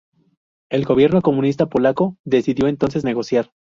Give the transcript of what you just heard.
El gobierno comunista polaco decidió, entonces, negociar.